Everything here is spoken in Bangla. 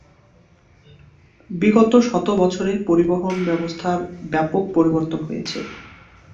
বিগত শত বছরে পরিবহন ব্যবস্থার ব্যপক পরিবর্তন হয়েছে।